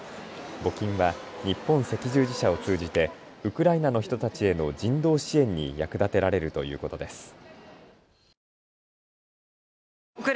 募金は日本赤十字社を通じてウクライナの人たちへの人道支援に役立てられるということです。